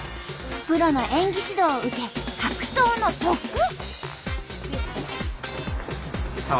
プロの演技指導を受け格闘の特訓。